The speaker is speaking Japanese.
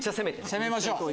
攻めましょう！